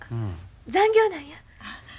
残業なんや。